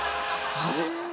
あれ？